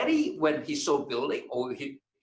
atau melihat bangunan yang indah